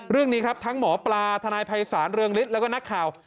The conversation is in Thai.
เรื่องนี้ครับทั้งหมอปลาทนายภัยศาลเรืองฤทธิ์แล้วก็นักข่าว